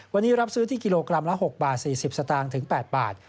วันนี้รับซื้อที่กิโลกรัมละ๖บาท๔๐สตางค์ถึง๘บาท